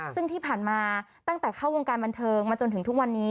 ซึ่งที่ผ่านมาตั้งแต่เข้าวงการบันเทิงมาจนถึงทุกวันนี้